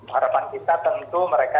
harapan kita tentu mereka